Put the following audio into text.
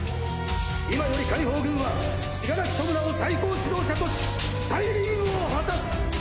今より解放軍は死柄木弔を最高指導者とし再臨を果たす！